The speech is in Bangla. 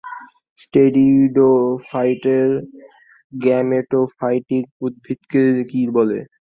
টেরিডোফাইটের গ্যামেটোফাইটিক উদ্ভিদকে কী বলে?